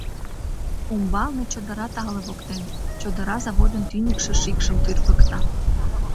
Умбалне, чодыра тале воктен, чодыра заводын тӱньыкшӧ шикшым тӱргыкта.